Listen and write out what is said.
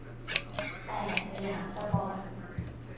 แต่ สยามสปอร์ต